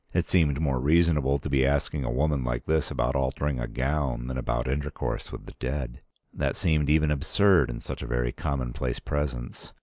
It seemed more reasonable to be asking a woman like this about altering a gown than about intercourse with the dead. That seemed even absurd in such a very commonplace presence.